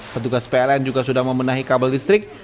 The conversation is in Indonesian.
petugas pln juga sudah memenahi kabel listrik